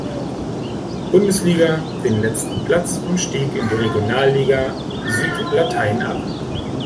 Bundesliga den letzten Platz und stieg in die Regionalliga Süd Latein ab.